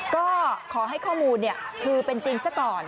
ก็ขอให้ข้อมูลคือเป็นจริงซะก่อน